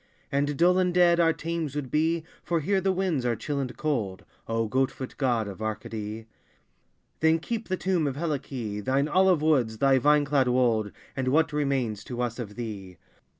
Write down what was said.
And dull and dead our Thames would be, For here the winds are chill and cold, O goat foot God of Arcady! Then keep the tomb of Helice, Thine olive woods, thy vine clad wold, And what remains to us of thee?